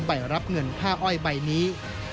ใบรับเงินค่าอ้อยใบนี้